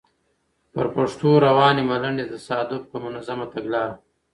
پر پښتو روانې ملنډې؛ تصادف که منظمه تګلاره؟